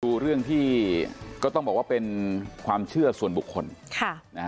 ดูเรื่องที่ก็ต้องบอกว่าเป็นความเชื่อส่วนบุคคลค่ะนะฮะ